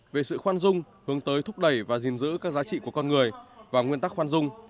về sự khoan dung hướng tới thúc đẩy và gìn giữ các giá trị của con người và nguyên tắc khoan dung